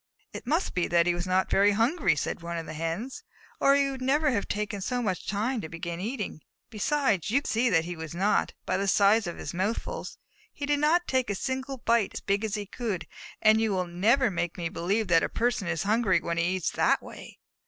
"It must be that he was not very hungry," said one of the Hens, "or he would never have taken so much time to begin eating. Besides, you can see that he was not, by the size of his mouthfuls. He did not take a single bite as big as he could, and you will never make me believe that a person is hungry when he eats in that way."